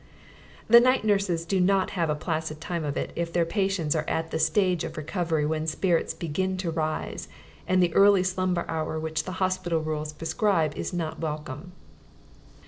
The night nurses do not have a placid time of it if their patients are at the stage of recovery when spirits begin to rise and the early slumber hour which the hospital rules prescribe is not welcome.